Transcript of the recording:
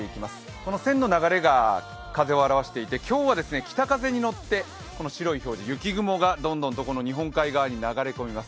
この線の流れが風を表していて今日は北風に乗ってこの白い表示、雪雲がどんどんと日本海側に流れ込みます。